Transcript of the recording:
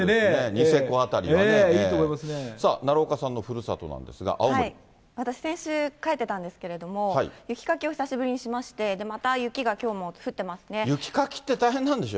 そうですね、いいと思います奈良岡さんのふるさとなんで私、先週、帰ってたんですけれども、雪かきを久しぶりにしまして、また雪がきょうも降ってま雪かきって大変なんでしょ？